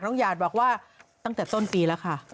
หยาดบอกว่าตั้งแต่ต้นปีแล้วค่ะ